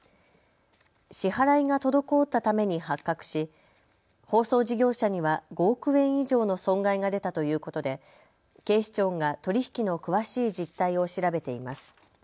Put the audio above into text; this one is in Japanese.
支払いが滞ったために発覚し放送事業者には５億円以上の損害が出たということで警視庁が取り引きの詳しい実態を調べています。